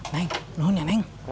neng nuhun ya neng